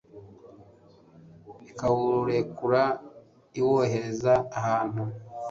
ikawurekura iwohereza ahantu